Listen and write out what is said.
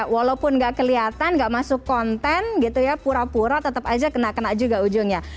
walaupun tidak kelihatan tidak masuk konten pura pura tetap saja kena kena juga ujungnya